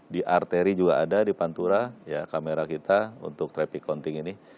di arteri juga ada di pantura kamera kita untuk traffic counting ini